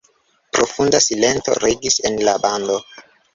Profunda silento regis en la bando.